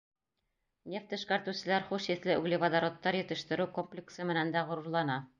Нефть эшкәртеүселәр хуш еҫле углеводородтар етештереү комплексы менән дә ғорурлана.